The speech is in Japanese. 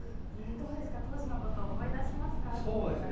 どうですか当時のこと思い出しますか。